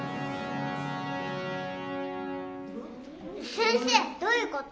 先生どういうこと？